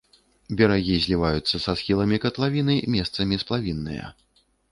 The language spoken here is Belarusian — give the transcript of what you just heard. Берагі зліваюцца са схіламі катлавіны, месцамі сплавінныя.